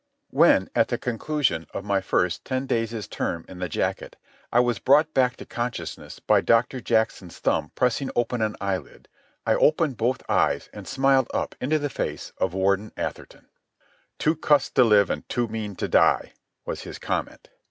When, at the conclusion of my first ten days' term in the jacket, I was brought back to consciousness by Doctor Jackson's thumb pressing open an eyelid, I opened both eyes and smiled up into the face of Warden Atherton. "Too cussed to live and too mean to die," was his comment.